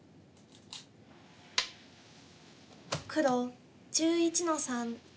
黒１１の三。